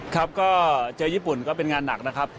ครับก็เจอญี่ปุ่นก็เป็นงานหนักนะครับ